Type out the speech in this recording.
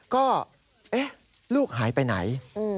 ก็เอ๊ะลูกหายไปไหน